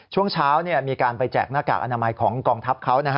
ช่วงเช้ามีการไปแจกหน้ากากอนามัยของกองทัพเขา